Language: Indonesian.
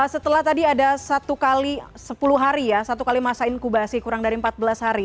setelah tadi ada satu kali sepuluh hari ya satu kali masa inkubasi kurang dari empat belas hari